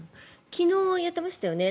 昨日、やってましたよね。